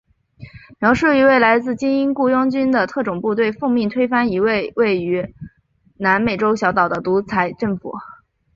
描述一队来自精英雇佣军的特种部队奉命推翻一个位于南美洲小岛的独裁政府。